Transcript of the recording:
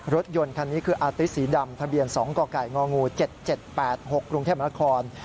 รถยนต์คันนี้คืออาติสีดำทะเบียน๒กกง๗๗๘๖กรุงเทพมนาคม